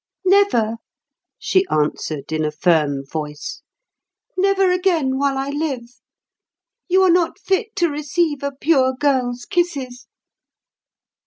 "Never!" she answered in a firm voice. "Never again while I live. You are not fit to receive a pure girl's kisses."